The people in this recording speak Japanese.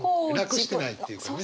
楽してないっていうかね。